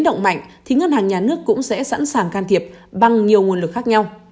động mạnh thì ngân hàng nhà nước cũng sẽ sẵn sàng can thiệp bằng nhiều nguồn lực khác nhau